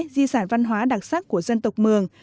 di sản văn hóa đặc sắc của dân tộc mường